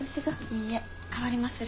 いいえ代わりまする。